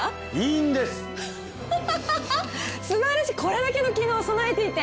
これだけの機能を備えていて。